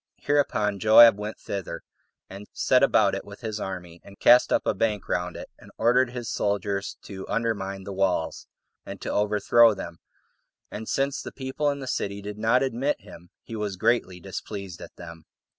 Hereupon Joab went thither, and set about it with his army, and cast up a bank round it, and ordered his soldiers to undermine the walls, and to overthrow them; and since the people in the city did not admit him, he was greatly displeased at them.